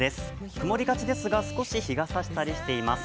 曇りがちですが、少し日がさしたりしています。